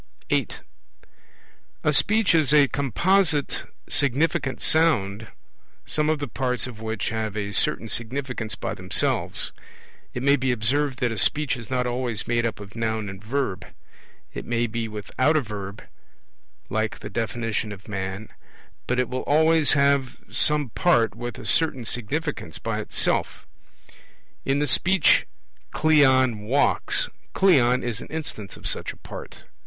(8) A Speech is a composite significant sound, some of the parts of which have a certain significance by themselves. It may be observed that a Speech is not always made up of Noun and Verb; it may be without a Verb, like the definition of man; but it will always have some part with a certain significance by itself. In the Speech 'Cleon walks', 'Cleon' is an instance of such a part.